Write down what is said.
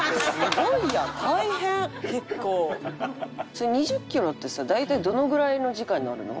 それ２０キロってさ大体どのぐらいの時間になるの？